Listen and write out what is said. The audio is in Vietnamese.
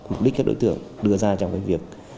mục đích các đối tượng đưa ra trong cái việc